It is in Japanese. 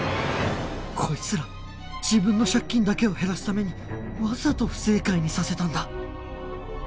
こいつら自分の借金だけを減らすためにわざと不正解にさせたんだ